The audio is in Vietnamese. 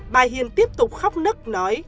bà hiền tiếp tục khóc nức nói